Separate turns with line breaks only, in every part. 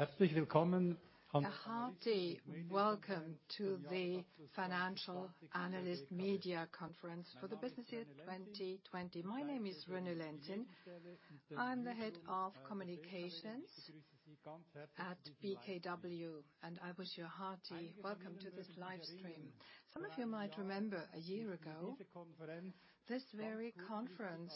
A hearty welcome to the Financial Analyst Media Conference for the business year 2020. My name is René Lenzin. I'm the head of communications at BKW. I wish you a hearty welcome to this live stream. Some of you might remember, a year ago, this very conference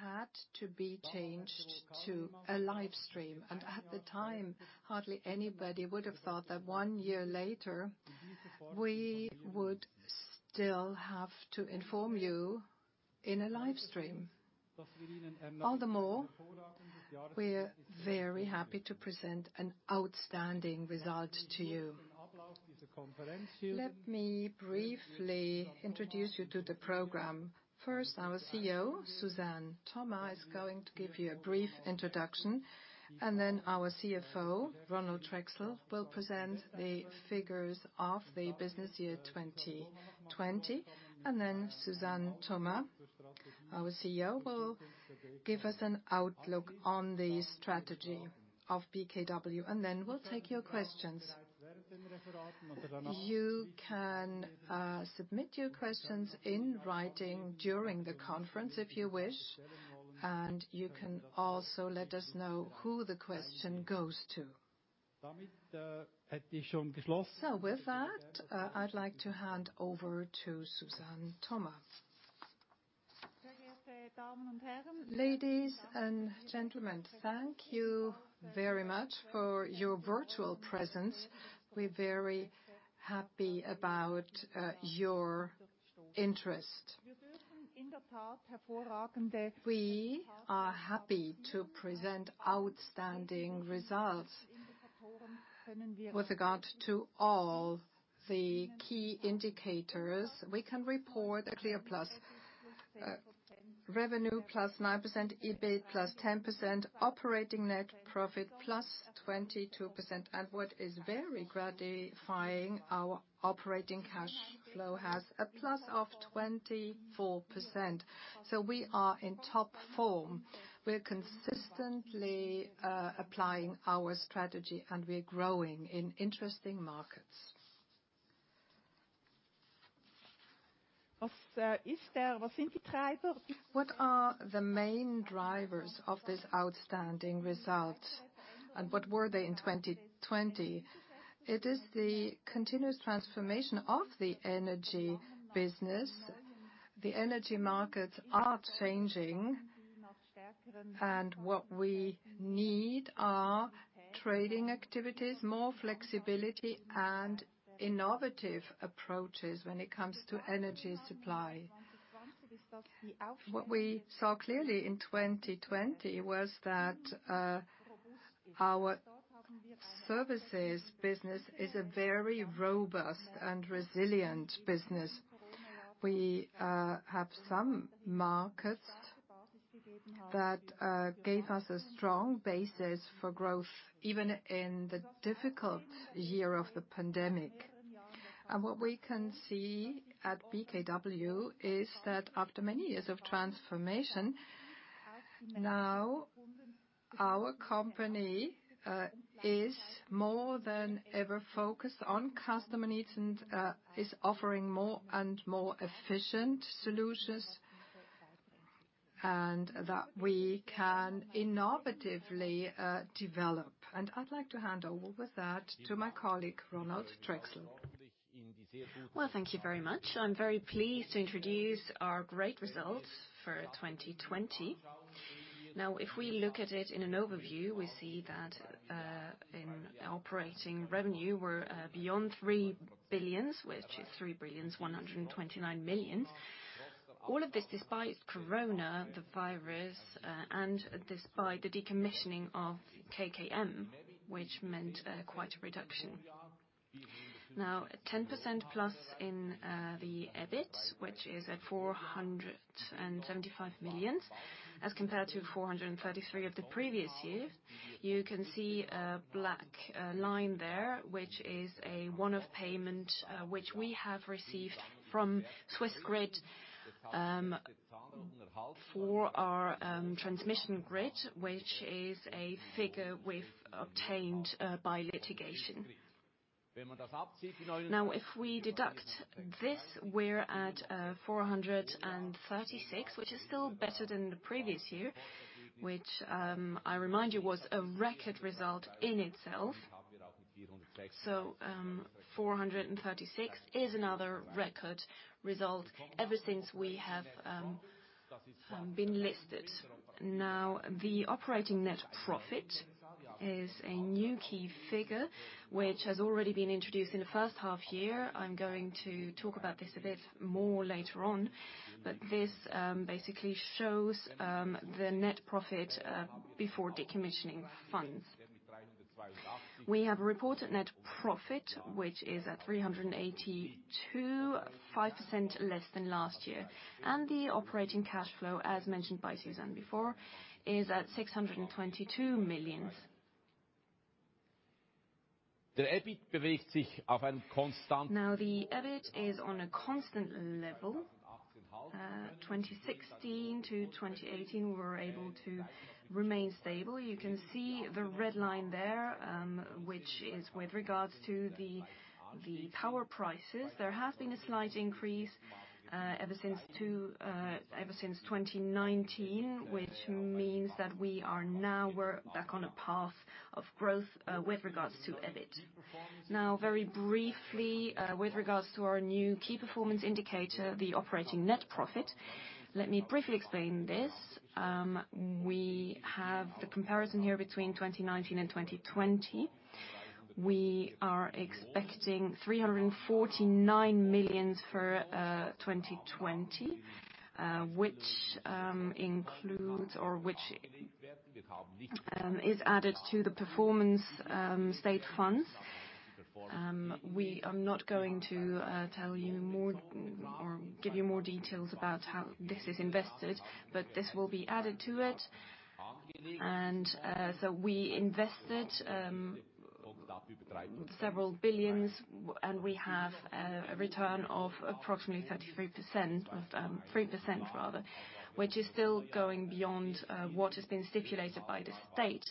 had to be changed to a live stream. At the time, hardly anybody would've thought that one year later we would still have to inform you in a live stream. All the more, we're very happy to present an outstanding result to you. Let me briefly introduce you to the program. First, our CEO, Suzanne Thoma, is going to give you a brief introduction. Then our CFO, Ronald Trächsel, will present the figures of the business year 2020. Then Suzanne Thoma, our CEO, will give us an outlook on the strategy of BKW. Then we'll take your questions. You can submit your questions in writing during the conference if you wish, and you can also let us know who the question goes to. With that, I'd like to hand over to Suzanne Thoma.
Ladies and gentlemen, thank you very much for your virtual presence. We're very happy about your interest. We are happy to present outstanding results. With regard to all the key indicators, we can report a clear plus. Revenue +9%, EBIT +10%, operating net profit +22%, and what is very gratifying, our operating cash flow has a +24%. We are in top form. We're consistently applying our strategy and we're growing in interesting markets. What are the main drivers of this outstanding result, and what were they in 2020? It is the continuous transformation of the energy business. The energy markets are changing. What we need are trading activities, more flexibility, and innovative approaches when it comes to energy supply. What we saw clearly in 2020 was that our services business is a very robust and resilient business. We have some markets that gave us a strong basis for growth, even in the difficult year of the pandemic. What we can see at BKW is that after many years of transformation, now our company is more than ever focused on customer needs and is offering more and more efficient solutions, and that we can innovatively develop. I'd like to hand over with that to my colleague Ronald Trächsel.
Well, thank you very much. I'm very pleased to introduce our great results for 2020. If we look at it in an overview, we see that in operating revenue we're beyond 3 billion, which is 3,129 million. All of this despite Corona, the virus, and despite the decommissioning of KKM, which meant quite a reduction. 10%+ in the EBIT, which is at 475 million as compared to 433 million of the previous year. You can see a black line there, which is a one-off payment which we have received from Swissgrid for our transmission grid, which is a figure we've obtained by litigation. If we deduct this, we're at 436 million, which is still better than the previous year, which I remind you, was a record result in itself. 436 million is another record result, ever since we have been listed. Now, the operating net profit is a new key figure, which has already been introduced in the first half year. I'm going to talk about this a bit more later on, but this basically shows the net profit before decommissioning funds. We have a reported net profit, which is at 382, 5% less than last year. The operating cash flow, as mentioned by Suzanne before, is at 622 million. The EBIT is on a constant level. 2016 to 2018, we were able to remain stable. You can see the red line there, which is with regards to the power prices. There has been a slight increase ever since 2019, which means that we are now back on a path of growth with regards to EBIT. Very briefly, with regards to our new key performance indicator, the operating net profit. Let me briefly explain this. We have the comparison here between 2019 and 2020. We are expecting 349 million for 2020, which is added to the performance state funds. I'm not going to tell you more or give you more details about how this is invested. This will be added to it, we invested several billion, we have a return of approximately 33%. 3%, rather, which is still going beyond what has been stipulated by the state,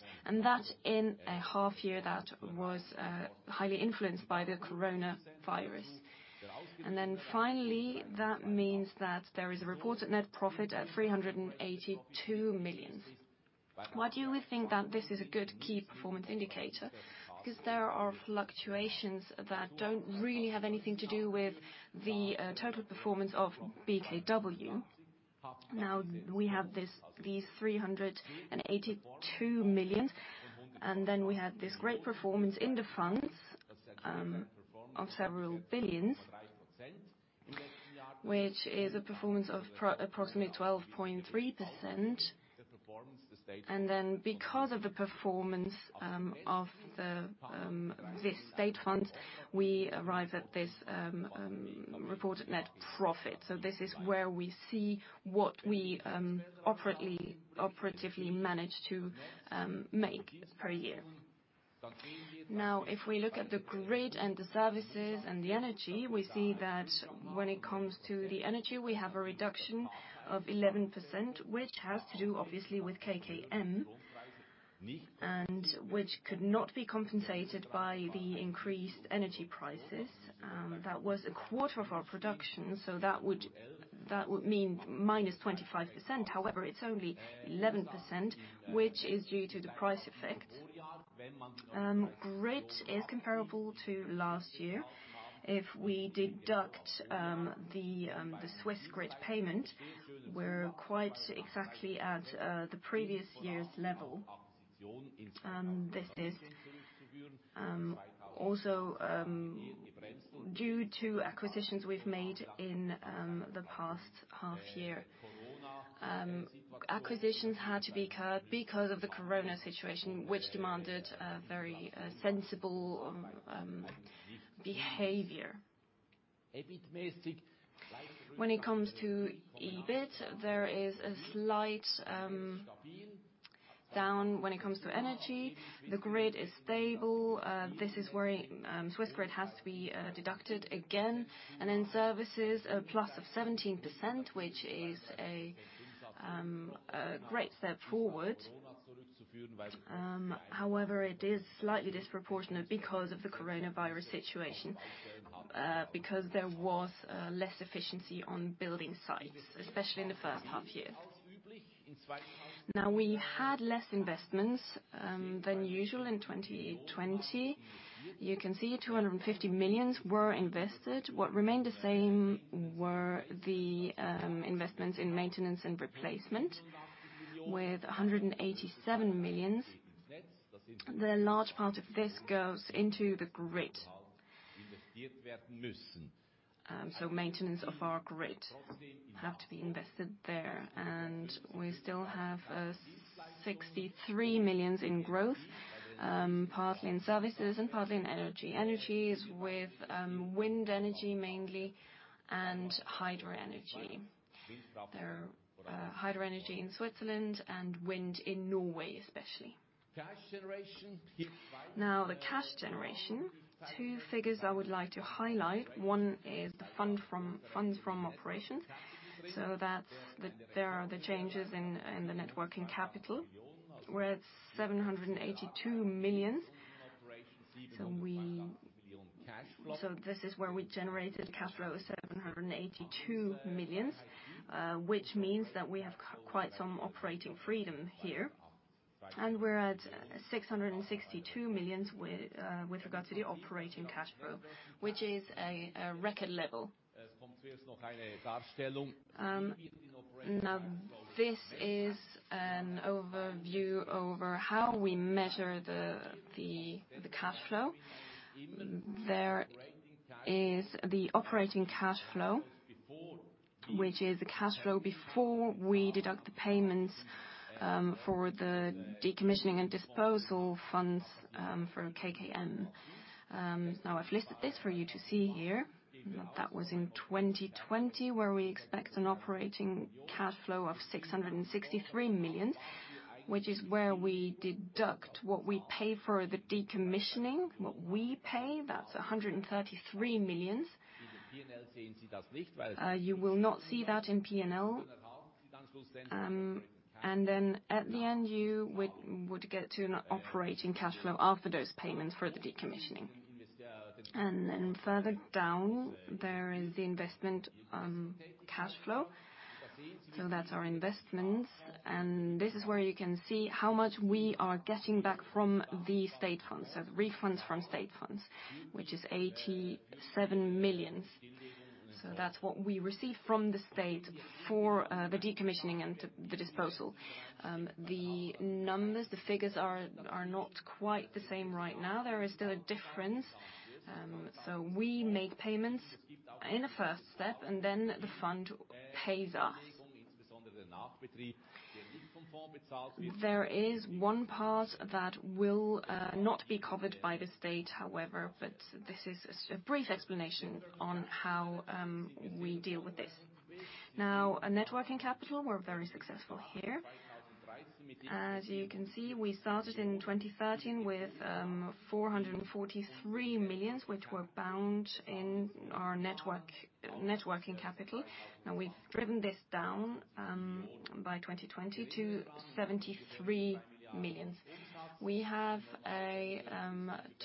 in a half year that was highly influenced by the coronavirus. Finally, that means that there is a reported net profit at 382 million. Why do we think that this is a good key performance indicator? Because there are fluctuations that don't really have anything to do with the total performance of BKW. Now, we have these 382 million, and then we had this great performance in the funds of several billions, which is a performance of approximately 12.3%. Because of the performance of this state fund, we arrive at this reported net profit. This is where we see what we operatively manage to make per year. If we look at the grid, and the services, and the energy, we see that when it comes to the energy, we have a reduction of 11%, which has to do obviously with KKM, and which could not be compensated by the increased energy prices. That was a quarter of our production, that would mean -25%. However, it's only 11%, which is due to the price effect. Grid is comparable to last year. If we deduct the Swissgrid payment, we're quite exactly at the previous year's level. This is also due to acquisitions we've made in the past half year. Acquisitions had to be cut because of the coronavirus situation, which demanded a very sensible behavior. When it comes to EBIT, there is a slight down when it comes to energy. The grid is stable. This is where Swissgrid has to be deducted again, and in services, a plus of 17%, which is a great step forward. However, it is slightly disproportionate because of the coronavirus situation, because there was less efficiency on building sites, especially in the first half year. Now, we had less investments than usual in 2020. You can see 250 million were invested. What remained the same were the investments in maintenance and replacement with 187 million. The large part of this goes into the grid. Maintenance of our grid have to be invested there. We still have 63 million in growth, partly in services and partly in energy. Energy is with wind energy mainly, and hydro energy. Hydro energy in Switzerland and wind in Norway, especially. Now, the cash generation. Two figures I would like to highlight. One is the funds from operations. There are the changes in the net working capital. We're at 782 million. This is where we generated cash flow of 782 million, which means that we have quite some operating freedom here, and we're at 662 million with regard to the operating cash flow, which is a record level. This is an overview over how we measure the cash flow. There is the operating cash flow, which is the cash flow before we deduct the payments for the decommissioning and disposal funds for KKM. I've listed this for you to see here. That was in 2020, where we expect an operating cash flow of 663 million, which is where we deduct what we pay for the decommissioning. What we pay, that's 133 million. You will not see that in P&L. At the end, you would get to an operating cash flow after those payments for the decommissioning. Further down, there is the investment cash flow. That's our investments, and this is where you can see how much we are getting back from the state funds. Refunds from state funds, which is 87 million. That's what we receive from the state for the decommissioning and the disposal. The numbers, the figures are not quite the same right now. There is still a difference. We make payments in a first step, and then the fund pays us. There is one part that will not be covered by the state, however, but this is just a brief explanation on how we deal with this. Now, net working capital, we're very successful here. As you can see, we started in 2013 with 443 million, which were bound in our net working capital. Now we've driven this down by 2020 to 73 million. We have a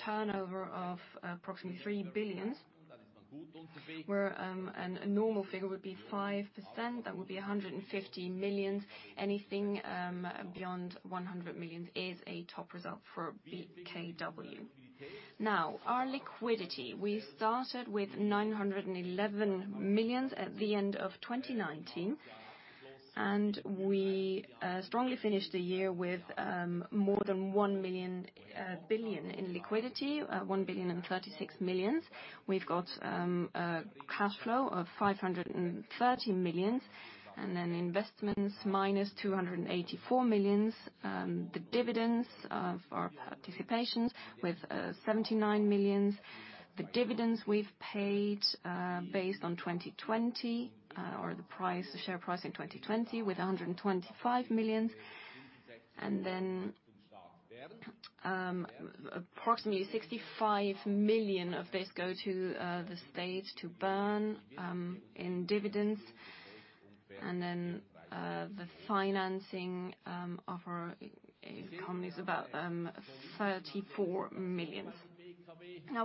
turnover of approximately 3 billion, where a normal figure would be 5%. That would be 150 million. Anything beyond 100 million is a top result for BKW. Now, our liquidity. We started with 911 million at the end of 2019. We strongly finished the year with more than 1 billion in liquidity, 1,036 million. We've got a cash flow of 530 million. Investments -284 million. The dividends of our participation with 79 million. The dividends we've paid based on 2020, or the share price in 2020, with 125 million. Approximately 65 million of this go to the state to Bern in dividends. The financing of our economy is about 34 million.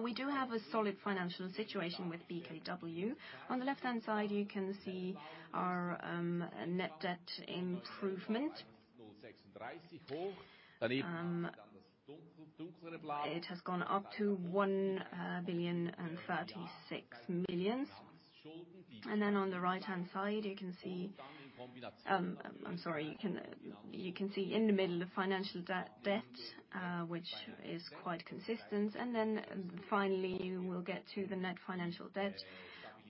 We do have a solid financial situation with BKW. On the left-hand side, you can see our net debt improvement. It has gone up to 1.036 billion. On the right-hand side, you can see in the middle the financial debt, which is quite consistent. Finally, you will get to the net financial debt,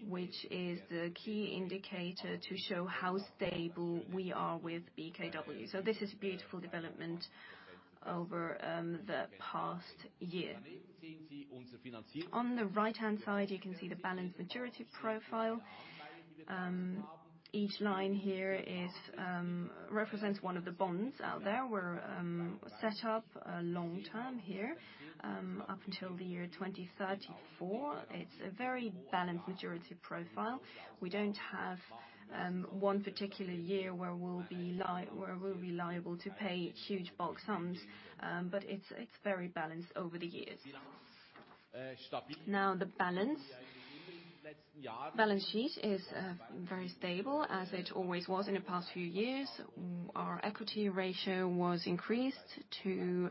which is the key indicator to show how stable we are with BKW. This is beautiful development over the past year. On the right-hand side, you can see the balanced maturity profile. Each line here represents one of the bonds out there. We're set up long-term here, up until the year 2034. It's a very balanced maturity profile. We don't have one particular year where we'll be liable to pay huge bulk sums. It's very balanced over the years. The balance sheet is very stable, as it always was in the past few years. Our equity ratio was increased to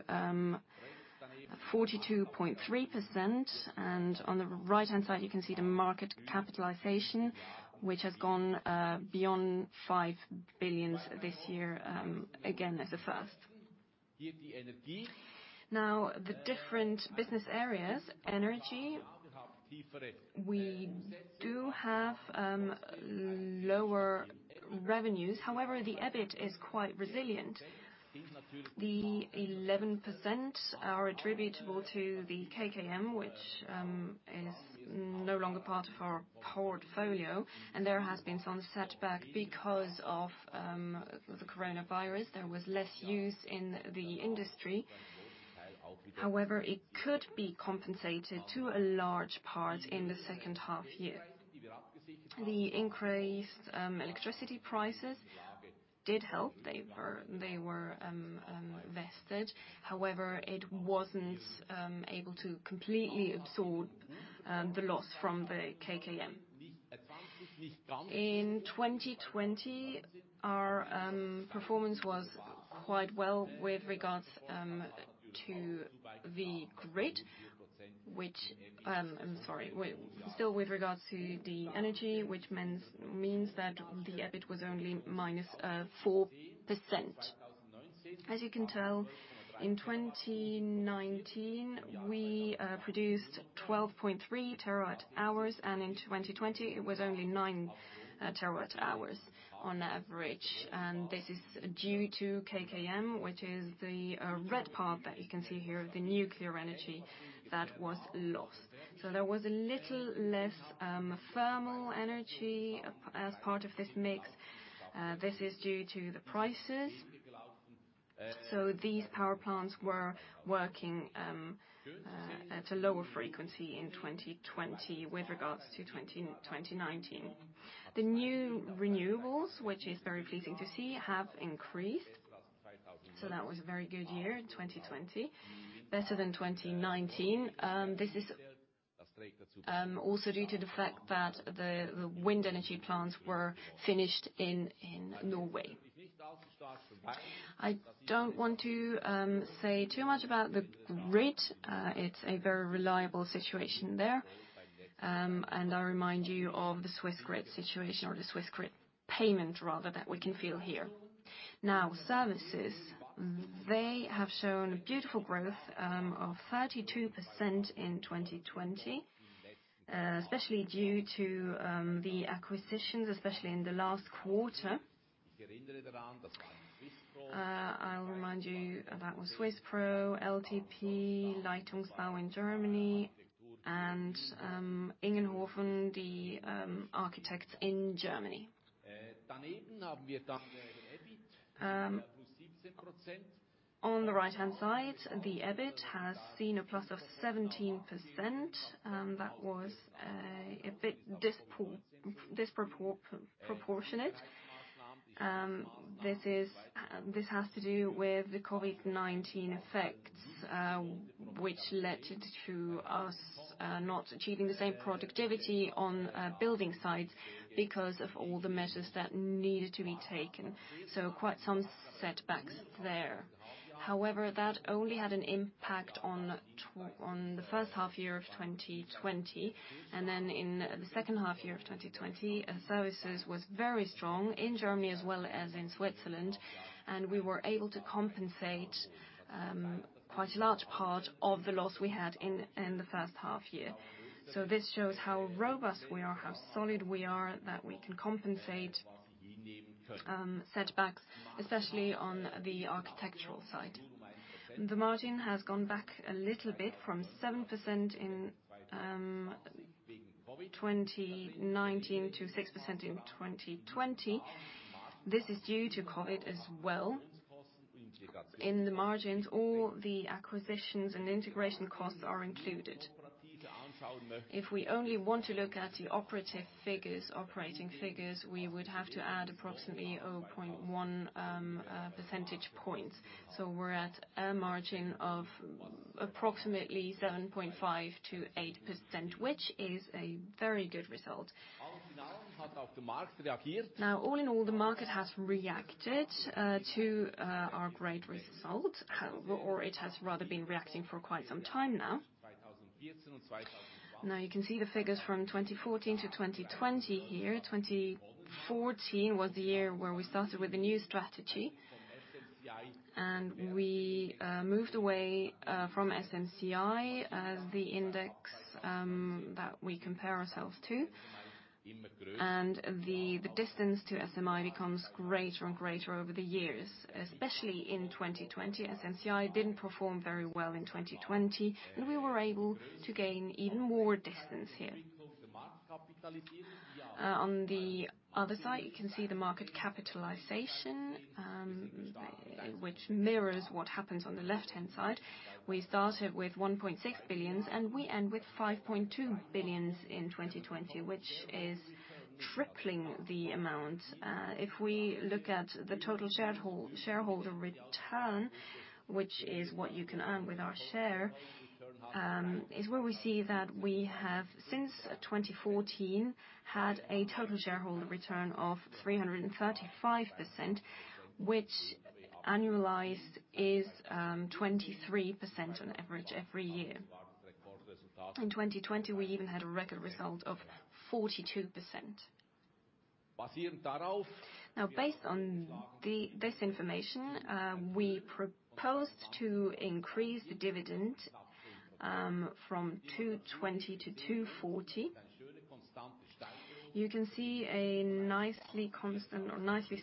42.3%, and on the right-hand side, you can see the market capitalization, which has gone beyond 5 billion this year, again as a first. The different business areas. Energy, we do have lower revenues. The EBIT is quite resilient. The 11% are attributable to the KKM, which is no longer part of our portfolio, and there has been some setback because of the coronavirus. There was less use in the industry. It could be compensated to a large part in the second half year. The increased electricity prices did help. They were vested. It wasn't able to completely absorb the loss from the KKM. In 2020, our performance was quite well with regards to the grid. I'm sorry. Still with regards to the energy, which means that the EBIT was only -4%. As you can tell, in 2019, we produced 12.3 TWh, and in 2020, it was only 9 TWh on average. This is due to KKM, which is the red part that you can see here, the nuclear energy that was lost. There was a little less thermal energy as part of this mix. This is due to the prices. These power plants were working at a lower frequency in 2020 with regards to 2019. The new renewables, which is very pleasing to see, have increased. That was a very good year, 2020. Better than 2019. This is also due to the fact that the wind energy plants were finished in Norway. I don't want to say too much about the grid. It's a very reliable situation there. I remind you of the Swiss grid situation or the Swiss grid payment rather, that we can feel here. Services, they have shown beautiful growth of 32% in 2020. Especially due to the acquisitions, especially in the last quarter. I'll remind you, that was swisspro, LTB, Leitungsbau in Germany, and ingenhoven, the architects in Germany. On the right-hand side, the EBIT has seen a plus of 17%. That was a bit disproportionate. This has to do with the COVID-19 effects, which led to us not achieving the same productivity on building sites because of all the measures that needed to be taken. Quite some setbacks there. That only had an impact on the first half year of 2020. In the second half year of 2020, services was very strong in Germany as well as in Switzerland. We were able to compensate quite a large part of the loss we had in the first half year. This shows how robust we are, how solid we are, that we can compensate setbacks, especially on the architectural side. The margin has gone back a little bit from 7% in 2019 to 6% in 2020. This is due to COVID-19 as well. In the margins, all the acquisitions and integration costs are included. If we only want to look at the operating figures, we would have to add approximately 0.1 percentage points. We're at a margin of approximately 7.5%-8%, which is a very good result. All in all, the market has reacted to our great result, or it has rather been reacting for quite some time now. You can see the figures from 2014 to 2020 here. 2014 was the year where we started with the new strategy, we moved away from SMI as the index that we compare ourselves to. The distance to SMI becomes greater and greater over the years, especially in 2020. SMI didn't perform very well in 2020, we were able to gain even more distance here. On the other side, you can see the market capitalization, which mirrors what happens on the left-hand side. We started with 1.6 billion, we end with 5.2 billion in 2020, which is tripling the amount. If we look at the total shareholder return, which is what you can earn with our share, is where we see that we have, since 2014, had a total shareholder return of 335%, which annualized is 23% on average every year. In 2020, we even had a record result of 42%. Now, based on this information, we proposed to increase the dividend from 2.20 to 2.40. You can see a nicely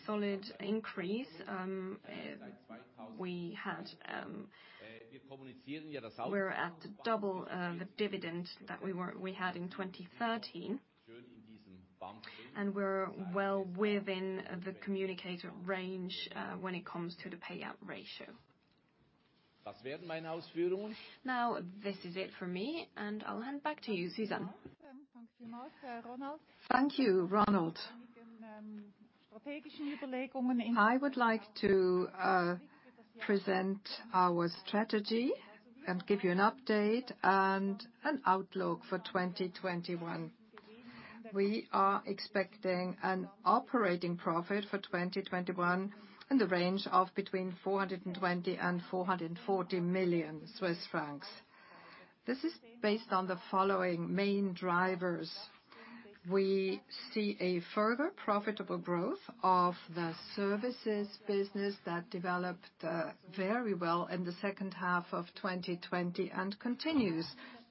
solid increase. We're at double the dividend that we had in 2013. We're well within the communicated range when it comes to the payout ratio. Now, this is it for me. I'll hand back to you, Suzanne.
Thank you, Ronald. I would like to present our strategy and give you an update and an outlook for 2021. We are expecting an operating profit for 2021 in the range of between 420 million and 440 million Swiss francs. This is based on the following main drivers. We see a further profitable growth of the services business that developed very well in the second half of 2020 and continues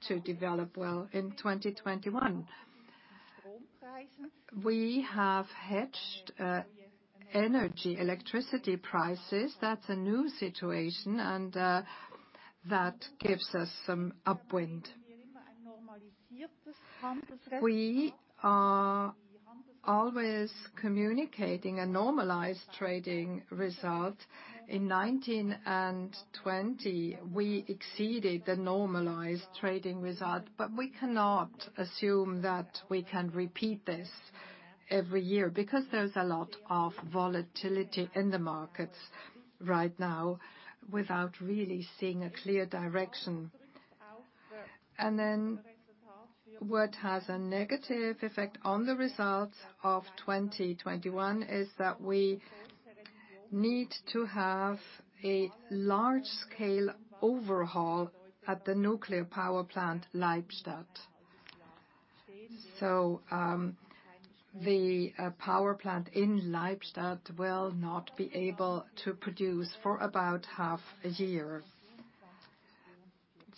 to develop well in 2021. We have hedged energy, electricity prices. That's a new situation, and that gives us some upwind. We are always communicating a normalized trading result. In 2019 and 2020, we exceeded the normalized trading result, but we cannot assume that we can repeat this every year, because there's a lot of volatility in the markets right now without really seeing a clear direction. What has a negative effect on the results of 2021 is that we need to have a large-scale overhaul at the nuclear power plant, Leibstadt. The power plant in Leibstadt will not be able to produce for about half a year.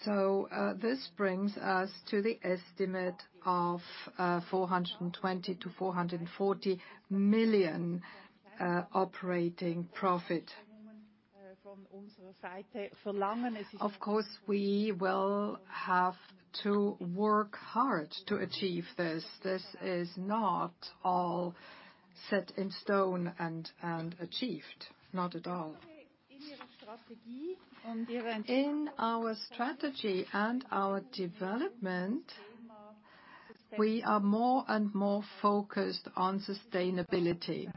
This brings us to the estimate of 420 million-440 million operating profit. Of course, we will have to work hard to achieve this. This is not all set in stone and achieved, not at all. In our strategy and our development, we are more and more focused on sustainability.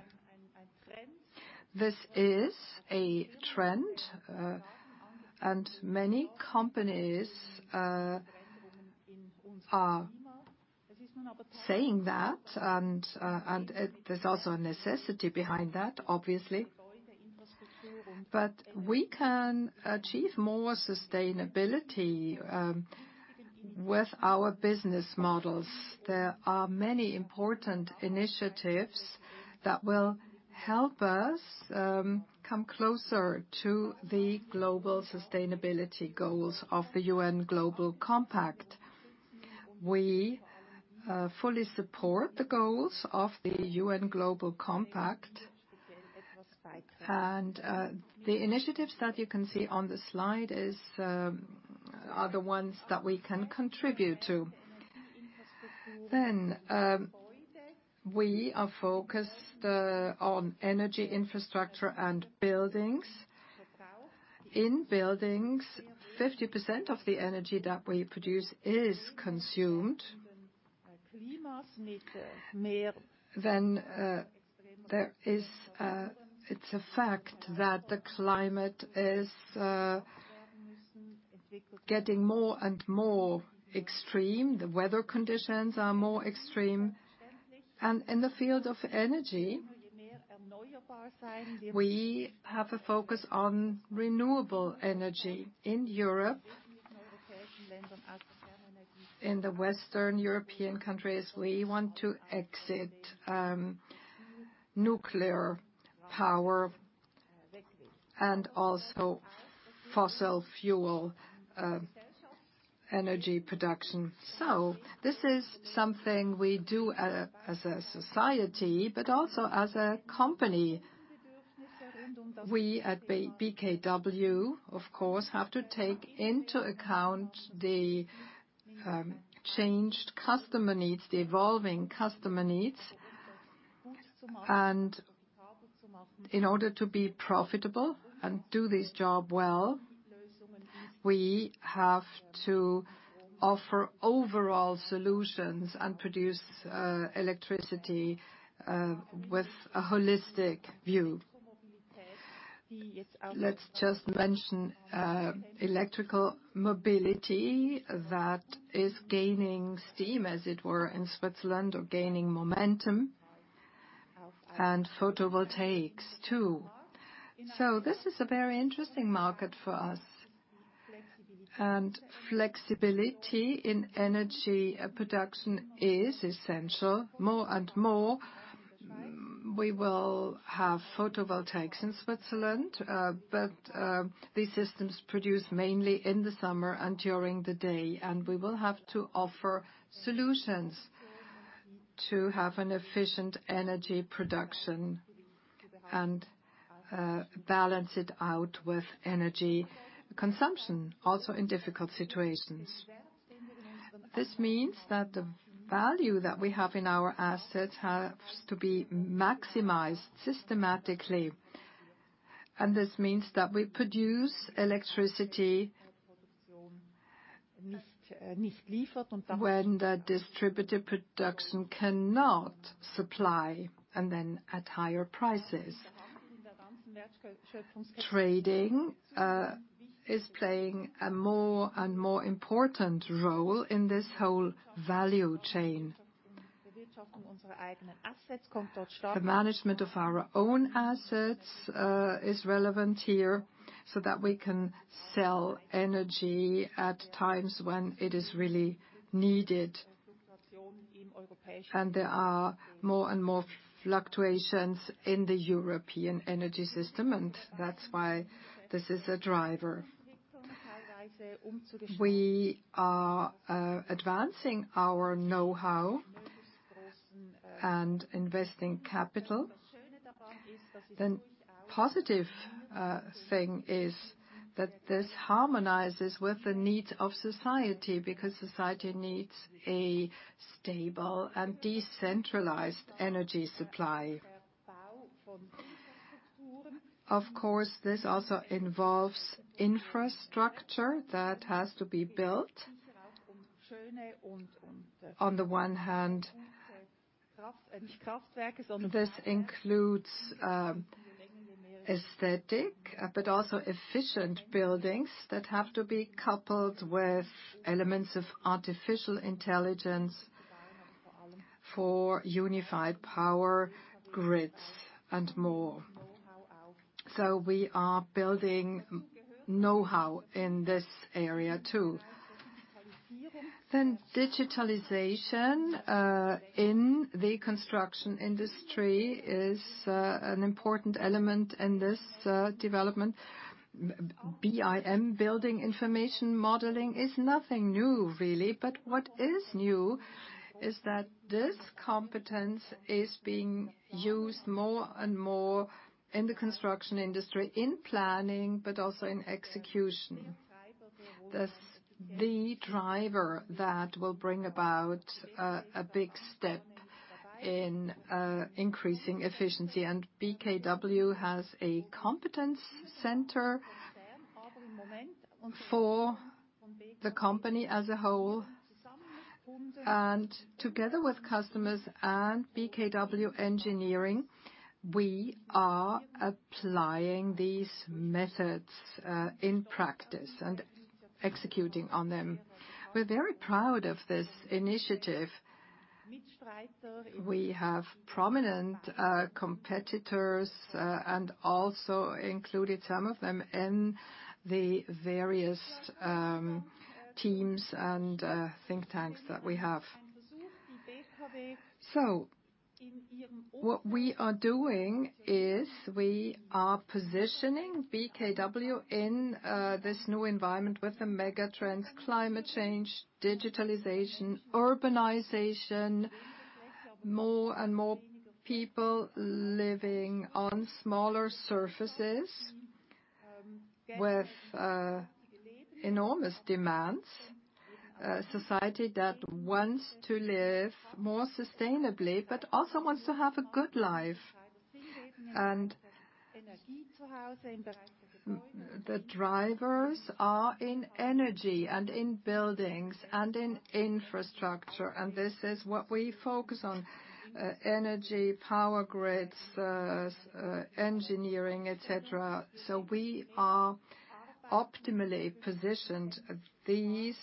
This is a trend, and many companies are saying that, and there's also a necessity behind that, obviously. We can achieve more sustainability with our business models. There are many important initiatives that will help us come closer to the global sustainability goals of the UN Global Compact. We fully support the goals of the UN Global Compact. The initiatives that you can see on the slide are the ones that we can contribute to. We are focused on energy infrastructure and buildings. In buildings, 50% of the energy that we produce is consumed. It's a fact that the climate is getting more and more extreme. The weather conditions are more extreme. In the field of energy, we have a focus on renewable energy in Europe. In the Western European countries, we want to exit nuclear power and also fossil fuel energy production. This is something we do as a society, but also as a company. We at BKW, of course, have to take into account the changed customer needs, the evolving customer needs. In order to be profitable and do this job well, we have to offer overall solutions and produce electricity with a holistic view. Let's just mention electrical mobility that is gaining steam, as it were, in Switzerland, or gaining momentum, and photovoltaics too. This is a very interesting market for us, and flexibility in energy production is essential. More and more, we will have photovoltaics in Switzerland. These systems produce mainly in the summer and during the day, and we will have to offer solutions to have an efficient energy production and balance it out with energy consumption, also in difficult situations. This means that the value that we have in our assets has to be maximized systematically, and this means that we produce electricity when the distributed production cannot supply, and then at higher prices. Trading is playing a more and more important role in this whole value chain. The management of our own assets is relevant here, so that we can sell energy at times when it is really needed. There are more and more fluctuations in the European energy system. That's why this is a driver. We are advancing our knowhow and investing capital. The positive thing is that this harmonizes with the needs of society, because society needs a stable and decentralized energy supply. Of course, this also involves infrastructure that has to be built. On the one hand, this includes aesthetic but also efficient buildings that have to be coupled with elements of artificial intelligence for unified power grids and more. We are building knowhow in this area, too. Digitalization in the construction industry is an important element in this development. BIM, building information modeling, is nothing new, really. What is new is that this competence is being used more and more in the construction industry, in planning, but also in execution. That's the driver that will bring about a big step in increasing efficiency. BKW has a competence center for the company as a whole. Together with customers and BKW Engineering, we are applying these methods in practice and executing on them. We're very proud of this initiative. We have prominent competitors and also included some of them in the various teams and think tanks that we have. What we are doing is we are positioning BKW in this new environment with the mega trends, climate change, digitalization, urbanization, more and more people living on smaller surfaces with enormous demands. A society that wants to live more sustainably, but also wants to have a good life. The drivers are in energy, and in buildings, and in infrastructure, and this is what we focus on, energy, power grids, engineering, et cetera. We are optimally positioned. These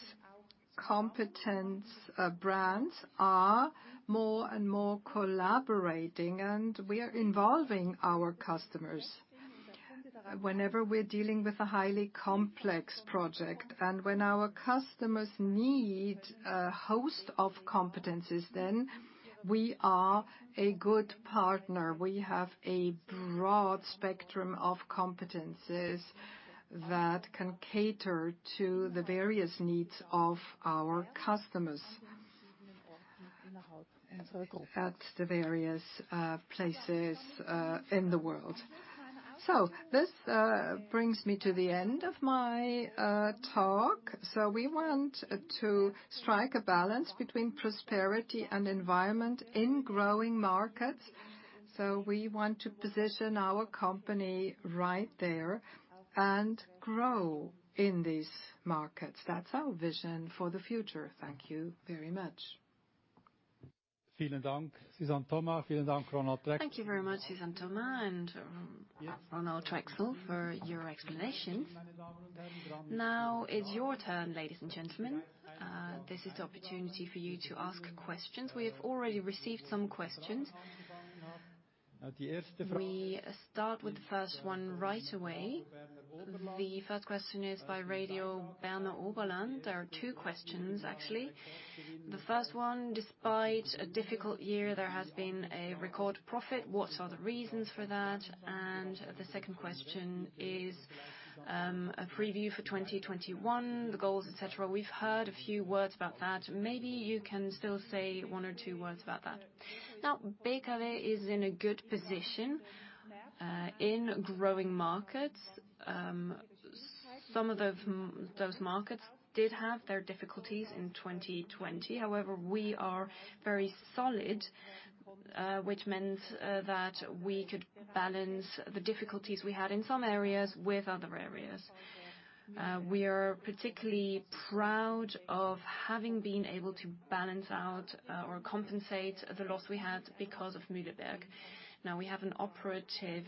competence brands are more and more collaborating, and we are involving our customers. Whenever we're dealing with a highly complex project, and when our customers need a host of competencies, then we are a good partner. We have a broad spectrum of competencies that can cater to the various needs of our customers at the various places in the world. This brings me to the end of my talk. We want to strike a balance between prosperity and environment in growing markets. We want to position our company right there and grow in these markets. That's our vision for the future. Thank you very much.
Thank you very much, Suzanne Thoma and Ronald Trächsel, for your explanations. Now it's your turn, ladies and gentlemen. This is the opportunity for you to ask questions. We have already received some questions. We start with the first one right away. The first question is by Radio Berner Oberland. There are two questions, actually. The first one, despite a difficult year, there has been a record profit. What are the reasons for that? The second question is a preview for 2021, the goals, et cetera. We've heard a few words about that. Maybe you can still say one or two words about that.
BKW is in a good position in growing markets. Some of those markets did have their difficulties in 2020. We are very solid, which meant that we could balance the difficulties we had in some areas with other areas. We are particularly proud of having been able to balance out or compensate the loss we had because of Mühleberg. We have an operative.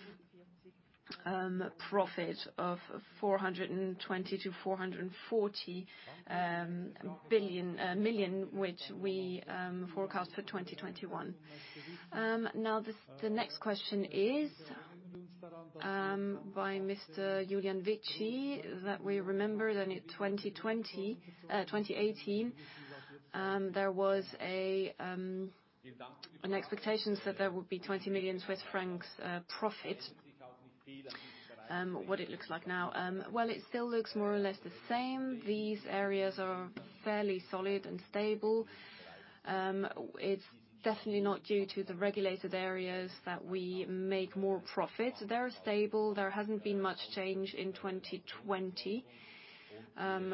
Profit of 420 million-440 million, which we forecast for 2021.
The next question is by Mr. Julian Vici, that we remember that in 2018, there was an expectation that there would be 20 million Swiss francs profit. What it looks like now?
Well, it still looks more or less the same. These areas are fairly solid and stable. It's definitely not due to the regulated areas that we make more profit. They're stable. There hasn't been much change in 2020. The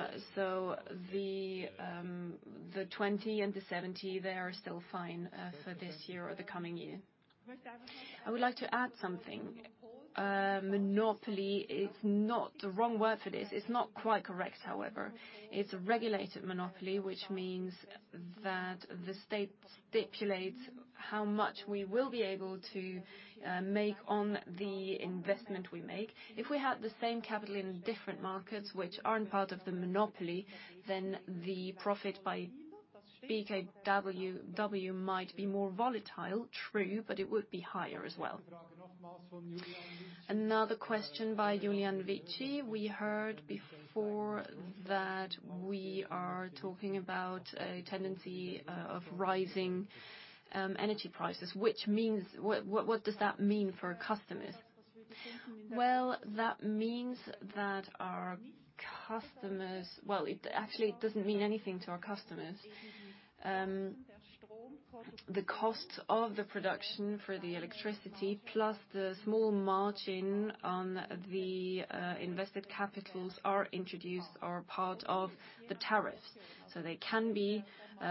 20 and the 70, they are still fine for this year or the coming year.
I would like to add something. Monopoly is not the wrong word for this. It's not quite correct, however. It's a regulated monopoly, which means that the state stipulates how much we will be able to make on the investment we make. If we had the same capital in different markets, which aren't part of the monopoly, then the profit by BKW might be more volatile, true, but it would be higher as well.
Another question by Julian Vici. We heard before that we are talking about a tendency of rising energy prices, what does that mean for our customers?
Well, it actually doesn't mean anything to our customers. The cost of the production for the electricity, plus the small margin on the invested capitals are introduced are part of the tariff. They can be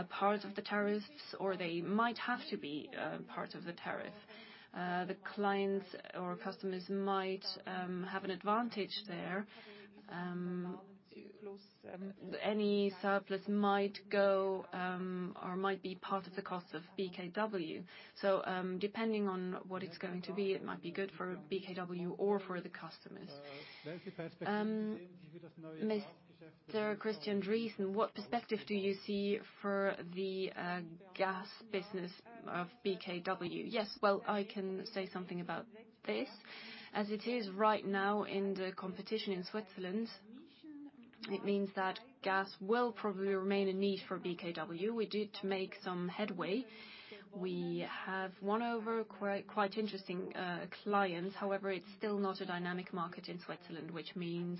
part of the tariffs, or they might have to be part of the tariff. The clients or customers might have an advantage there. Any surplus might go or might be part of the cost of BKW. Depending on what it's going to be, it might be good for BKW or for the customers.
Mr. Christian Driessen, what perspective do you see for the gas business of BKW?
Yes. Well, I can say something about this. As it is right now in the competition in Switzerland, it means that gas will probably remain a need for BKW. We did make some headway. We have won over quite interesting clients. It's still not a dynamic market in Switzerland, which means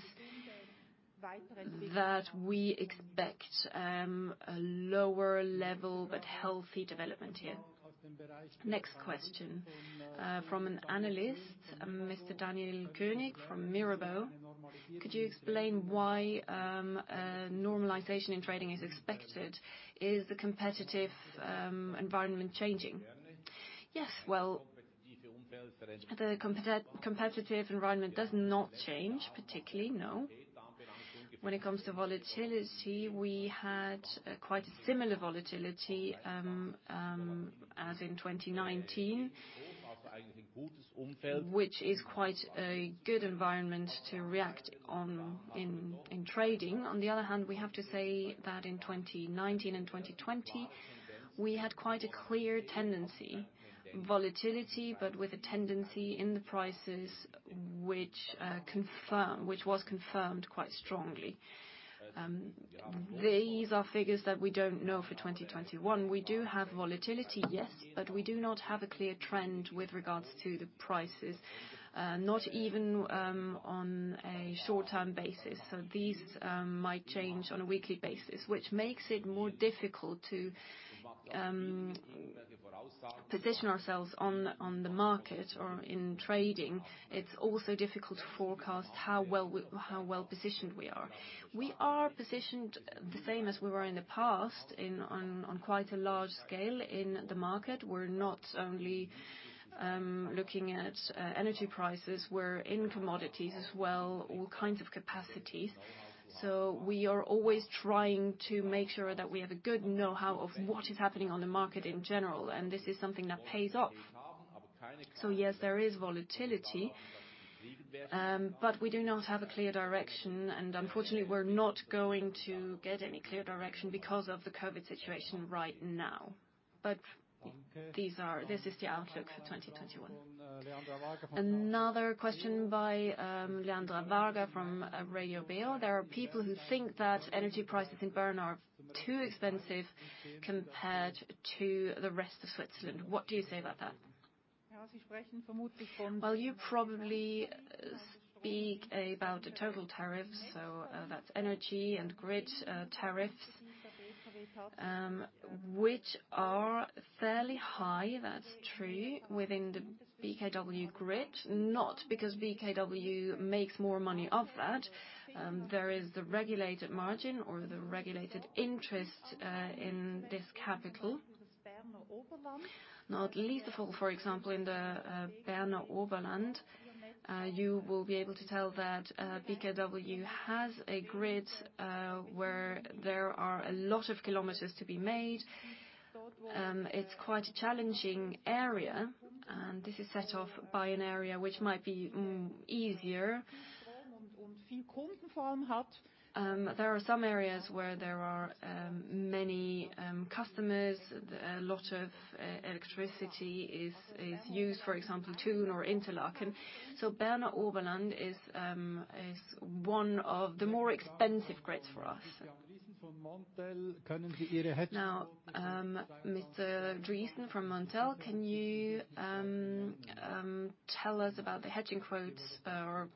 that we expect a lower level, but healthy development here.
Next question from an analyst, Mr. Daniel Koenig from Mirabaud. Could you explain why a normalization in trading is expected? Is the competitive environment changing?
Yes. Well, the competitive environment does not change, particularly, no. When it comes to volatility, we had quite a similar volatility as in 2019, which is quite a good environment to react on in trading. We have to say that in 2019 and 2020, we had quite a clear tendency, volatility, but with a tendency in the prices which was confirmed quite strongly. These are figures that we don't know for 2021. We do have volatility, yes, but we do not have a clear trend with regards to the prices, not even on a short-term basis. These might change on a weekly basis, which makes it more difficult to position ourselves on the market or in trading. It's also difficult to forecast how well-positioned we are. We are positioned the same as we were in the past, on quite a large scale in the market. We're not only looking at energy prices. We're in commodities as well, all kinds of capacities. We are always trying to make sure that we have a good know-how of what is happening on the market in general, and this is something that pays off. Yes, there is volatility, but we do not have a clear direction, and unfortunately, we're not going to get any clear direction because of the COVID situation right now. This is the outlook for 2021.
Another question by Leandra Varga from Radio BeO. There are people who think that energy prices in Bern are too expensive compared to the rest of Switzerland. What do you say about that?
Well, you probably speak about the total tariff, so that's energy and grid tariff, which are fairly high, that's true, within the BKW grid, not because BKW makes more money off that. There is the regulated margin or the regulated interest in this capital. At Vogellisi, for example, in the Berner Oberland, you will be able to tell that BKW has a grid, where there are a lot of kilometers to be made. It's quite a challenging area, and this is set off by an area which might be easier. There are some areas where there are many customers. A lot of electricity is used, for example, Thun or Interlaken. Berner Oberland is one of the more expensive grids for us.
Mr. Driessen from Montel, can you tell us about the hedging quotes or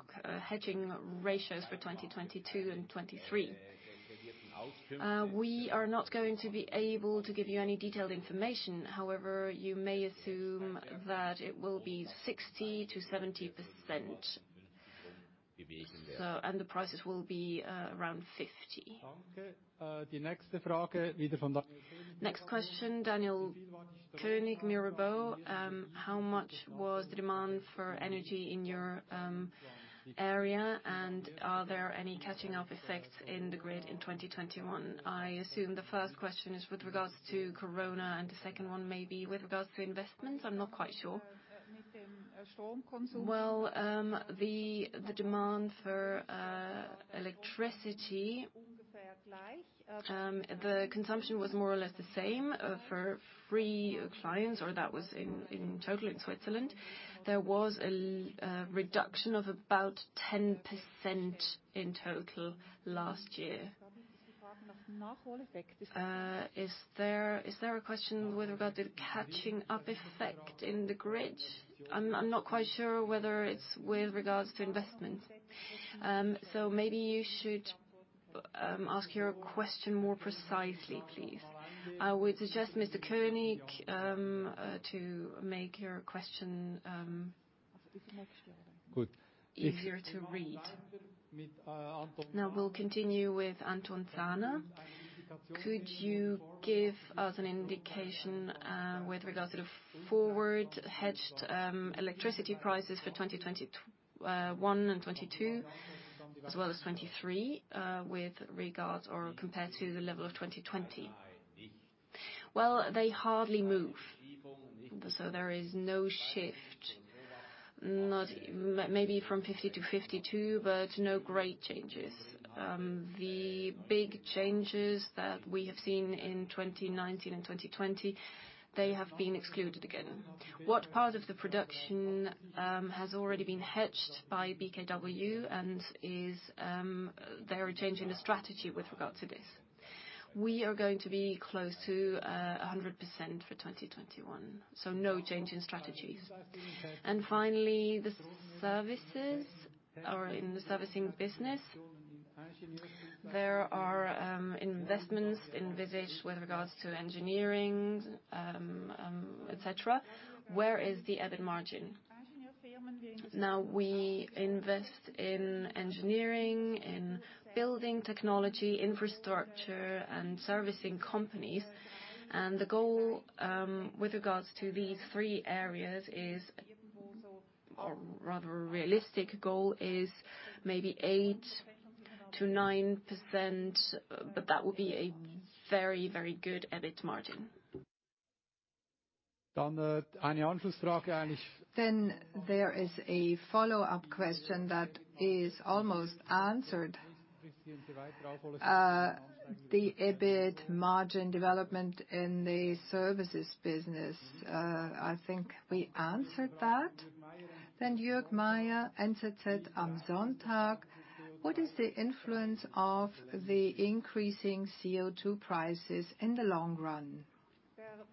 hedging ratios for 2022 and 2023?
We are not going to be able to give you any detailed information. However, you may assume that it will be 60%-70%, and the prices will be around 50.
Next question, Daniel Koenig, Mirabaud. How much was the demand for energy in your area, and are there any catching up effects in the grid in 2021? I assume the first question is with regards to Corona, and the second one may be with regards to investments. I'm not quite sure.
Well, the demand for electricity, the consumption was more or less the same for free clients, or that was in total in Switzerland. There was a reduction of about 10% in total last year. Is there a question with regard to the catching up effect in the grid? I'm not quite sure whether it's with regards to investment. Maybe you should ask your question more precisely, please. I would suggest, Mr. Koenig, to make your question easier to read.
Now we'll continue with Anton Zahner. Could you give us an indication with regards to the forward hedged electricity prices for 2021 and 2022, as well as 2023, with regards or compared to the level of 2020?
Well, they hardly move, so there is no shift. Maybe from 50 to 52, but no great changes. The big changes that we have seen in 2019 and 2020, they have been excluded again.
What part of the production has already been hedged by BKW, and is there a change in the strategy with regard to this?
We are going to be close to 100% for 2021, no change in strategies.
Finally, the services or in the servicing business. There are investments envisaged with regards to engineering, et cetera. Where is the EBIT margin?
Now we invest in engineering, in building technology, infrastructure, and servicing companies. The goal with regards to these three areas is, or rather a realistic goal is maybe 8%-9%, but that would be a very good EBIT margin.
There is a follow-up question that is almost answered. The EBIT margin development in the services business. I think we answered that. Jürg Meier, NZZ am Sonntag. What is the influence of the increasing CO2 prices in the long run?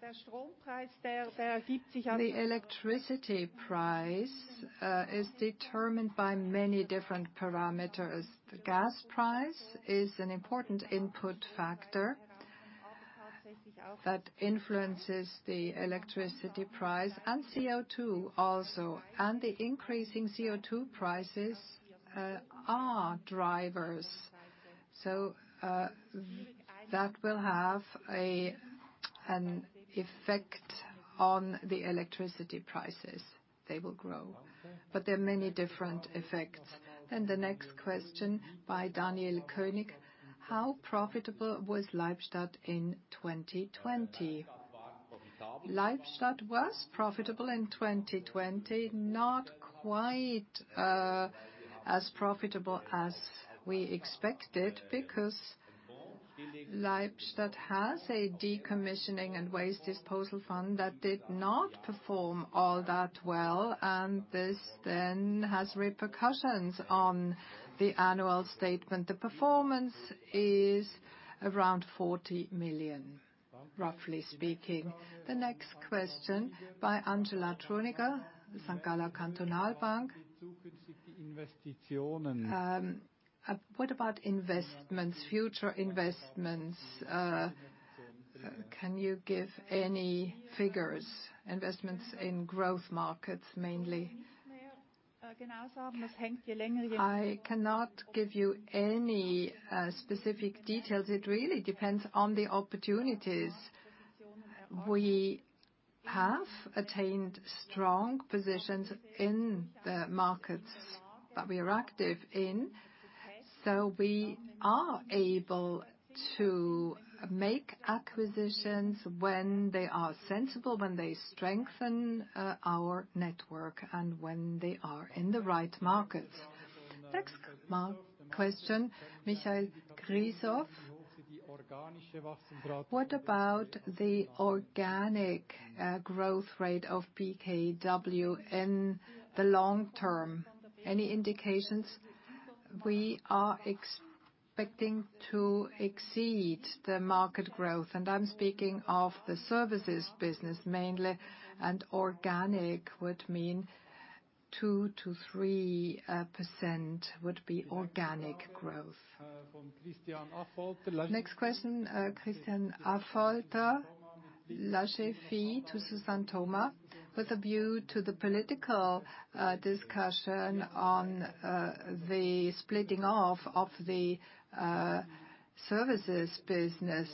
The electricity price is determined by many different parameters. The gas price is an important input factor that influences the electricity price, CO2 also, and the increasing CO2 prices are drivers. That will have an effect on the electricity prices. They will grow. There are many different effects.
The next question by Daniel Koenig, how profitable was Leibstadt in 2020?
Leibstadt was profitable in 2020, not quite as profitable as we expected because Leibstadt has a decommissioning and waste disposal fund that did not perform all that well, and this then has repercussions on the annual statement. The performance is around 40 million, roughly speaking.
The next question by Angela Truniger, St.Galler Kantonalbank. What about investments, future investments? Can you give any figures? Investments in growth markets, mainly.
I cannot give you any specific details. It really depends on the opportunities. We We have attained strong positions in the markets that we are active in. We are able to make acquisitions when they are sensible, when they strengthen our network, and when they are in the right markets.
Next question, Michael Grisoff. What about the organic growth rate of BKW in the long term? Any indications?
We are expecting to exceed the market growth, I'm speaking of the services business mainly, organic would mean 2%-3% would be organic growth.
Next question, Christian Affolter, L'Agefi to Suzanne Thoma. With a view to the political discussion on the splitting off of the services business,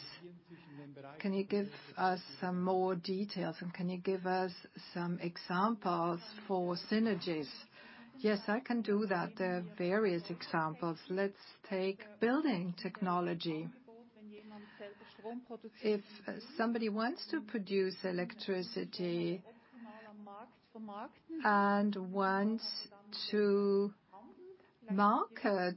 can you give us some more details and can you give us some examples for synergies?
Yes, I can do that. There are various examples. Let's take building technology. If somebody wants to produce electricity and wants to market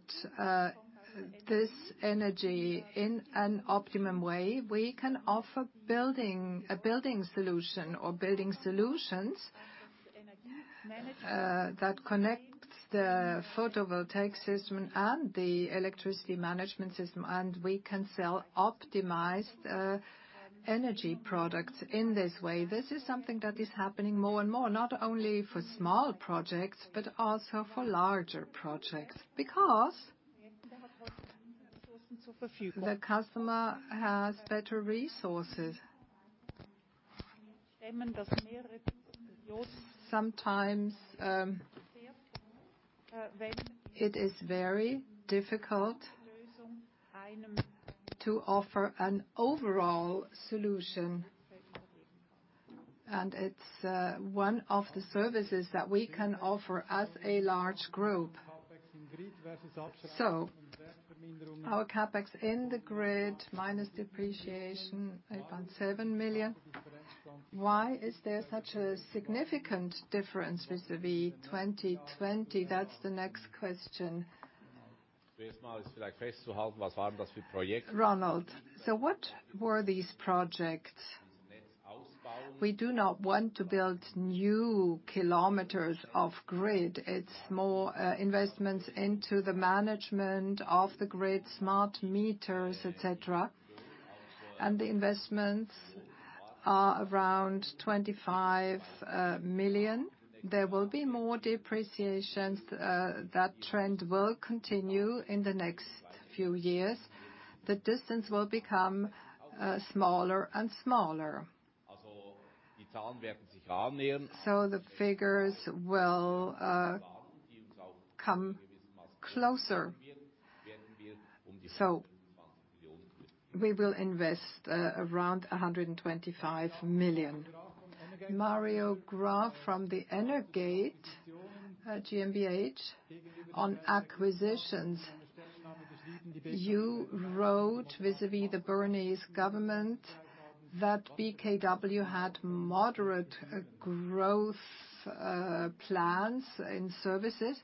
this energy in an optimum way, we can offer a building solution or building solutions that connect the photovoltaic system and the electricity management system, and we can sell optimized energy products in this way. This is something that is happening more and more, not only for small projects, but also for larger projects. The customer has better resources. Sometimes it is very difficult to offer an overall solution, and it's one of the services that we can offer as a large group.
Our CapEx in the grid minus depreciation, 8.7 million. Why is there such a significant difference vis-à-vis 2020? That's the next question. Ronald, what were these projects?
We do not want to build new kilometers of grid. It's more investments into the management of the grid, smart meters, et cetera. The investments are around 25 million. There will be more depreciations. That trend will continue in the next few years. The distance will become smaller and smaller. The figures will come closer. We will invest around 125 million.
Mario Graf from the energate GmbH. On acquisitions, you wrote vis-à-vis the Bernese government that BKW had moderate growth plans in services.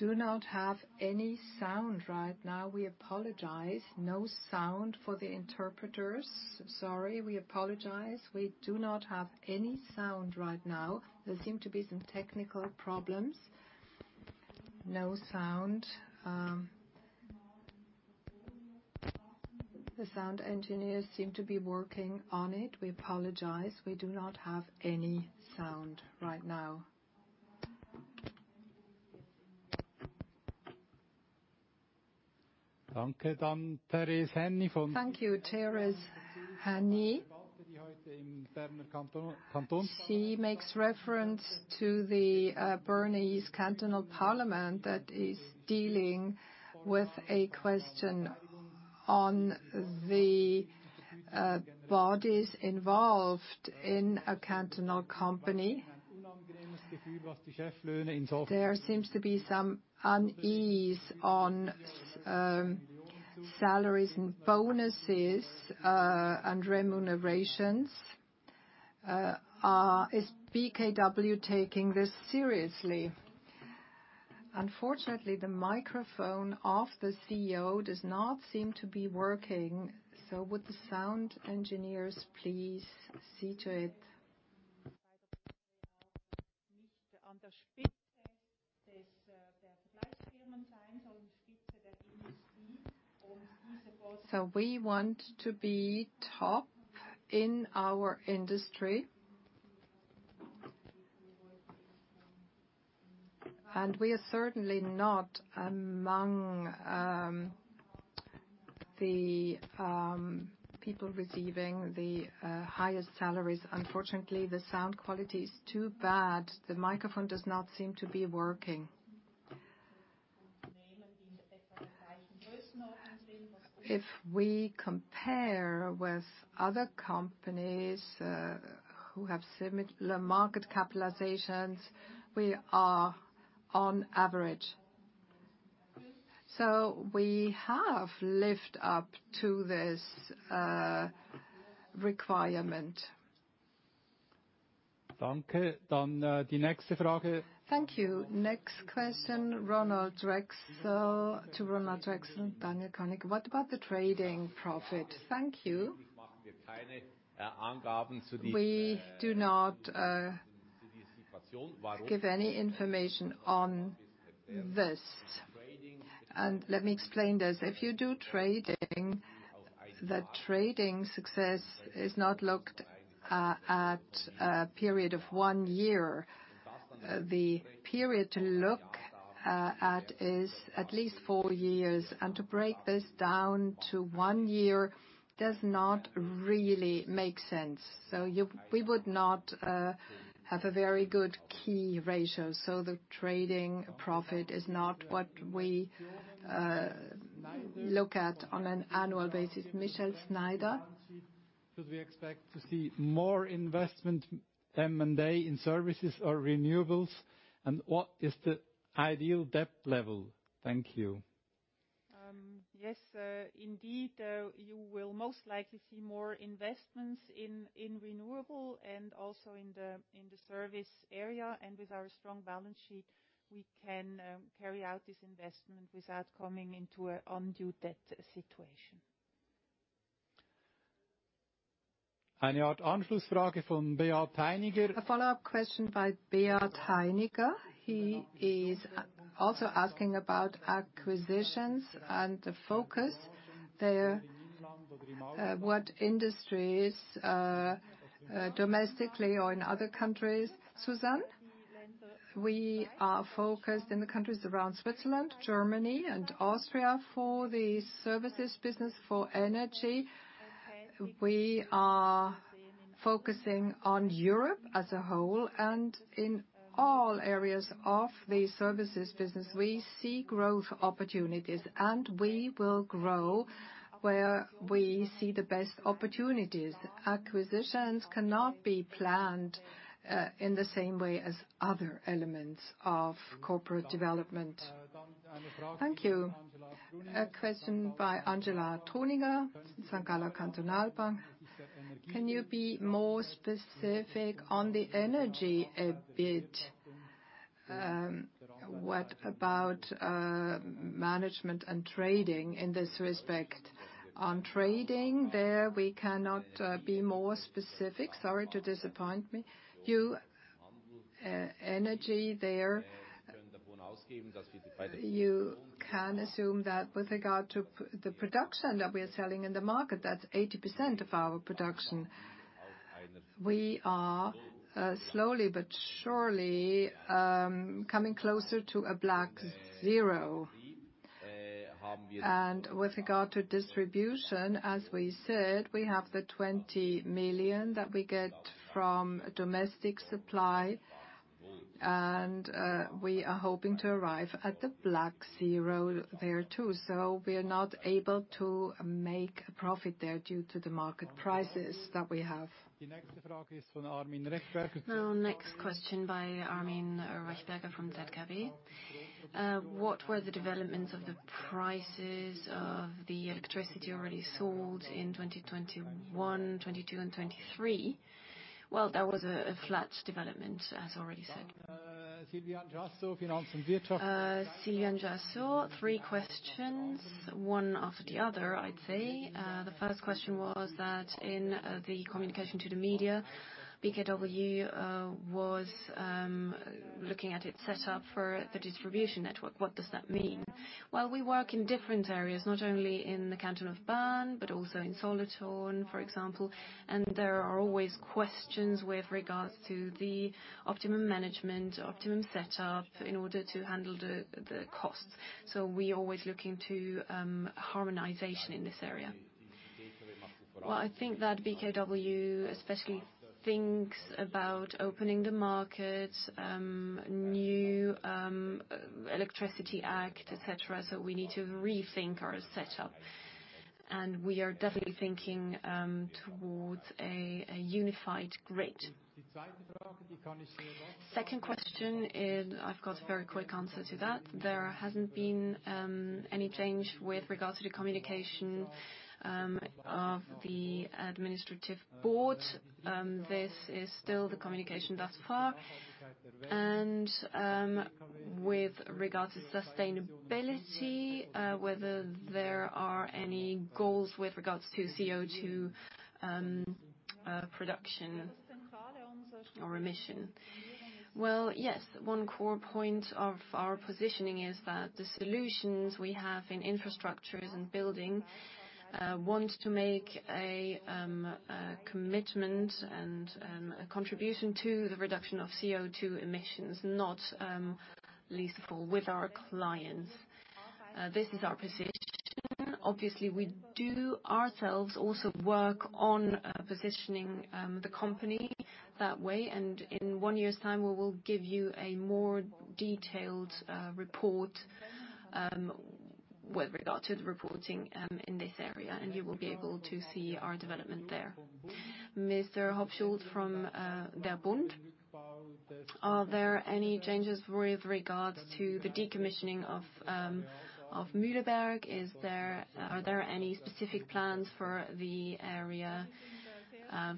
We do not have any sound right now. We apologize. No sound for the interpreters. Sorry, we apologize. We do not have any sound right now. There seem to be some technical problems. No sound. The sound engineers seem to be working on it. We apologize. We do not have any sound right now. Thank you. Therese Henny. She makes reference to the Bernese Cantonal Parliament that is dealing with a question on the bodies involved in a cantonal company. There seems to be some unease on salaries and bonuses and remunerations. Is BKW taking this seriously? Unfortunately, the microphone of the CEO does not seem to be working. Would the sound engineers please see to it?
We want to be top in our industry. We are certainly not among the people receiving the highest salaries. Unfortunately, the sound quality is too bad. The microphone does not seem to be working. If we compare with other companies who have similar market capitalizations, we are on average. We have lived up to this requirement.
Thank you. Next question, to Ronald Trächsel. Daniel Koenig. What about the trading profit?
Thank you. We do not give any information on this. Let me explain this. If you do trading, the trading success is not looked at a period of one year. The period to look at is at least four years, and to break this down to one year does not really make sense. We would not have a very good key ratio. The trading profit is not what we look at on an annual basis.
Michele Schneider? Could we expect to see more investment M&A in services or renewables, and what is the ideal debt level? Thank you.
Yes. Indeed, you will most likely see more investments in renewable and also in the service area. With our strong balance sheet, we can carry out this investment without coming into an undue debt situation.
A follow-up question by Beat Heiniger. He is also asking about acquisitions and the focus there. What industries domestically or in other countries, Suzanne?
We are focused in the countries around Switzerland, Germany, and Austria for the services business. For energy, we are focusing on Europe as a whole, and in all areas of the services business, we see growth opportunities, and we will grow where we see the best opportunities. Acquisitions cannot be planned in the same way as other elements of corporate development.
Thank you. A question by Angela Truniger, St.Galler Kantonalbank. Can you be more specific on the energy a bit? What about management and trading in this respect?
On trading there, we cannot be more specific. Sorry to disappoint you. Energy there, you can assume that with regard to the production that we are selling in the market, that's 80% of our production. We are slowly but surely coming closer to a black zero. With regard to distribution, as we said, we have the 20 million that we get from domestic supply, and we are hoping to arrive at the black zero there too. We are not able to make a profit there due to the market prices that we have.
Next question by Armin Rechberger from ZKB. What were the developments of the prices of the electricity already sold in 2021, 2022, and 2023?
Well, that was a flat development, as already said.
Silvia Jasso, three questions, one after the other, I'd say. The first question was that in the communication to the media, BKW was looking at its set up for the distribution network. What does that mean?
Well, we work in different areas, not only in the canton of Bern, but also in Solothurn, for example, and there are always questions with regards to the optimum management, optimum setup in order to handle the costs. We are always looking to harmonization in this area. Well, I think that BKW especially thinks about opening the market, new electricity act, et cetera. We need to rethink our setup. We are definitely thinking towards a unified grid.
Second question is, I've got a very quick answer to that. There hasn't been any change with regard to the communication of the administrative board. This is still the communication thus far. With regard to sustainability, whether there are any goals with regards to CO2 production or emission?
Well, yes. One core point of our positioning is that the solutions we have in infrastructures and building want to make a commitment and a contribution to the reduction of CO2 emissions, not least of all with our clients. This is our position.
Obviously, we do ourselves also work on positioning the company that way, and in one year's time, we will give you a more detailed report, with regard to the reporting in this area, and you will be able to see our development there.
Mr. [Hopschult] from Der Bund. Are there any changes with regards to the decommissioning of Mühleberg? Are there any specific plans for the area,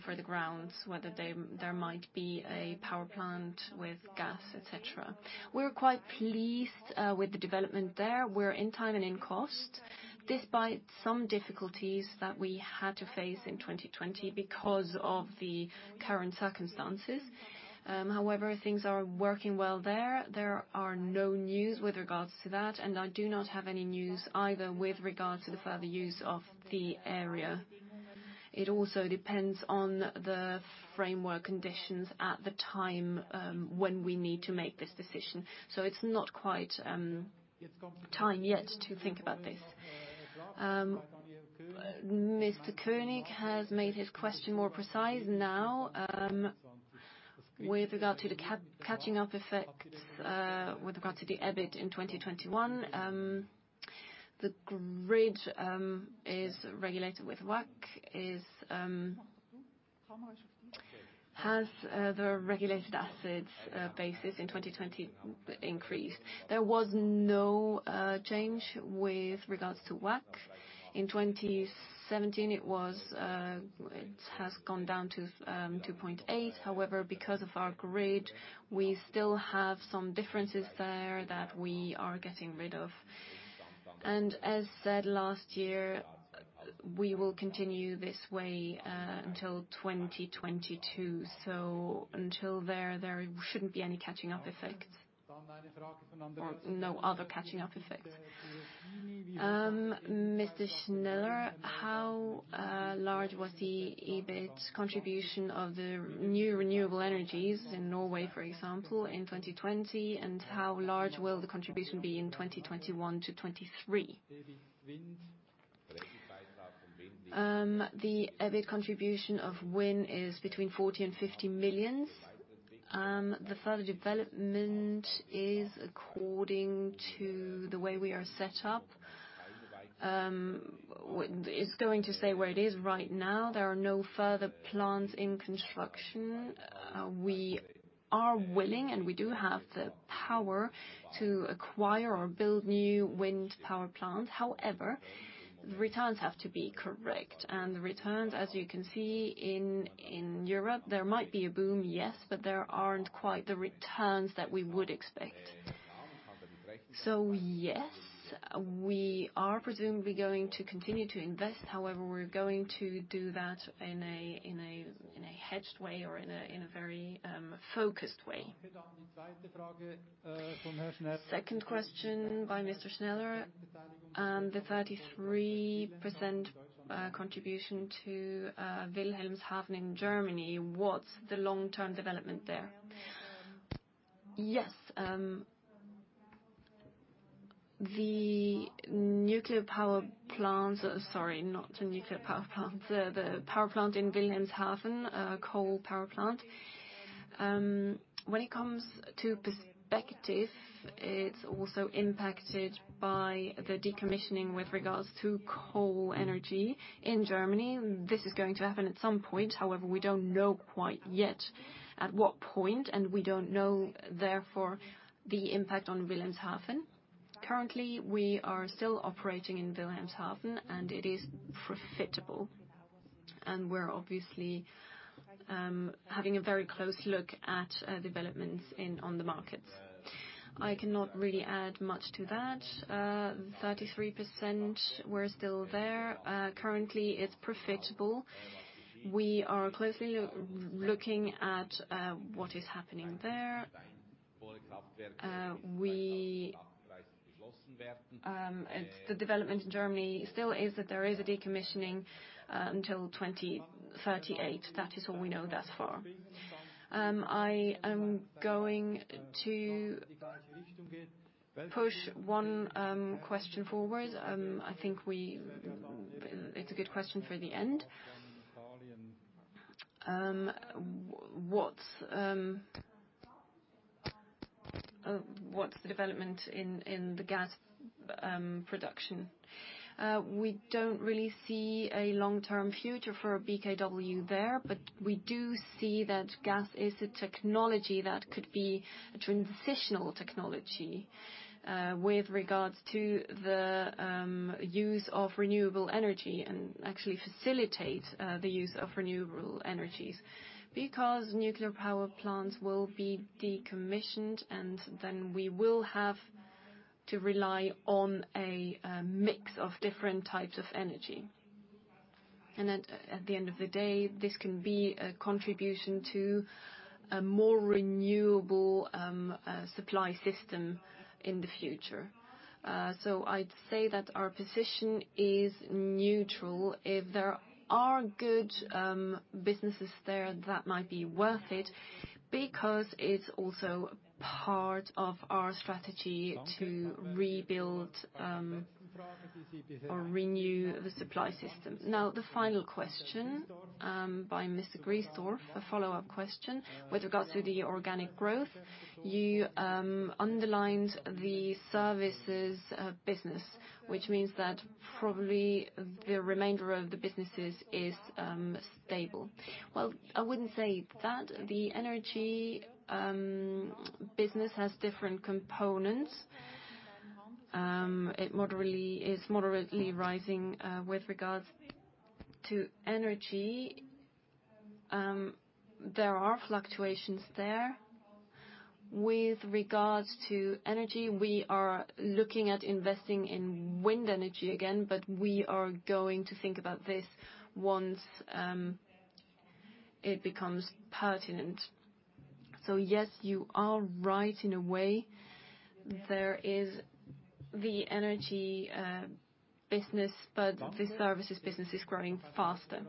for the grounds, whether there might be a power plant with gas, et cetera?
We're quite pleased with the development there. We're in time and in cost, despite some difficulties that we had to face in 2020 because of the current circumstances. However, things are working well there. There are no news with regards to that, and I do not have any news either with regard to the further use of the area. It also depends on the framework conditions at the time when we need to make this decision. It's not quite time yet to think about this.
Mr. Koenig has made his question more precise now. With regard to the catching up effects, with regard to the EBIT in 2021, the grid is regulated with WACC, has the regulated assets basis in 2020 increased?
There was no change with regards to WACC. In 2017, it has gone down to 2.8. Because of our grid, we still have some differences there that we are getting rid of. As said last year, we will continue this way until 2022. Until then, there shouldn't be any catching up effects or no other catching up effects.
Mr. Schneller, how large was the EBIT contribution of the new renewable energies in Norway, for example, in 2020, and how large will the contribution be in 2021 to 2023?
The EBIT contribution of wind is between 40 million and 50 million. The further development is according to the way we are set up. It's going to stay where it is right now. There are no further plans in construction. We are willing, and we do have the power to acquire or build new wind power plants. The returns have to be correct, and the returns, as you can see in Europe, there might be a boom, yes, but there aren't quite the returns that we would expect. Yes, we are presumably going to continue to invest. We're going to do that in a hedged way or in a very focused way.
Second question by Mr. Schneller, the 33% contribution to Wilhelmshaven in Germany, what's the long-term development there?
Yes. The nuclear power plant Sorry, not the nuclear power plant, the power plant in Wilhelmshaven, coal power plant. When it comes to perspective, it's also impacted by the decommissioning with regards to coal energy in Germany. This is going to happen at some point. We don't know quite yet at what point, and we don't know, therefore, the impact on Wilhelmshaven. Currently, we are still operating in Wilhelmshaven, and it is profitable, and we're obviously having a very close look at developments on the markets. I cannot really add much to that. 33%, we're still there. Currently, it's profitable. We are closely looking at what is happening there. The development in Germany still is that there is a decommissioning until 2038. That is all we know thus far.
I am going to push one question forward. I think it's a good question for the end. What's the development in the gas production?
We don't really see a long-term future for BKW there, but we do see that gas is a technology that could be a transitional technology with regards to the use of renewable energy and actually facilitate the use of renewable energies because nuclear power plants will be decommissioned, and then we will have to rely on a mix of different types of energy. At the end of the day, this can be a contribution to a more renewable supply system in the future. I'd say that our position is neutral. If there are good businesses there that might be worth it, because it's also part of our strategy to rebuild or renew the supply system.
The final question by Mr. Griesdorf, a follow-up question with regards to the organic growth. You underlined the services business, which means that probably the remainder of the businesses is stable.
Well, I wouldn't say that. The energy business has different components. It is moderately rising with regards to energy. There are fluctuations there. With regards to energy, we are looking at investing in wind energy again, we are going to think about this once it becomes pertinent. Yes, you are right in a way. There is the energy business, the services business is growing faster.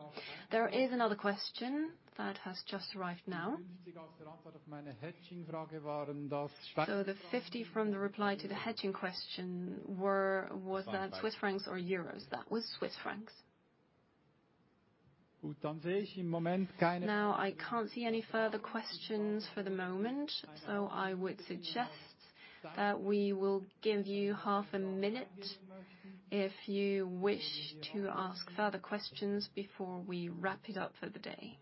There is another question that has just arrived now. The 50 from the reply to the hedging question, was that Swiss francs or euros?
That was Swiss francs.
Now, I can't see any further questions for the moment, so I would suggest that we will give you half a minute if you wish to ask further questions before we wrap it up for the day.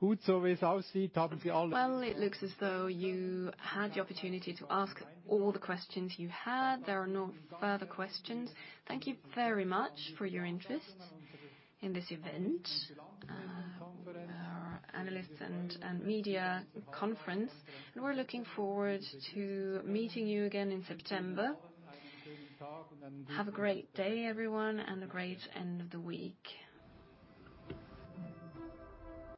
Well, it looks as though you had the opportunity to ask all the questions you had. There are no further questions. Thank you very much for your interest in this event, our analyst and media conference, and we're looking forward to meeting you again in September. Have a great day, everyone, and a great end of the week.